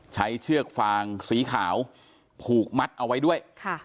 เชือกฟางสีขาวผูกมัดเอาไว้ด้วย